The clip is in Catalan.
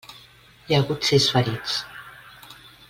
Hi ha hagut sis ferits.